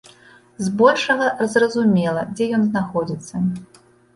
Збольшага, зразумела, дзе ён знаходзіцца.